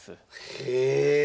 へえ！